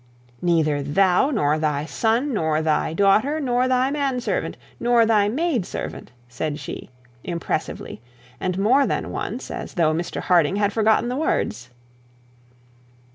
'Neither thou, nor thy son, nor thy daughter, nor thy man servant, nor thy maid servant,' said she, impressively, and more than once, as though Mr Harding had forgotten the words.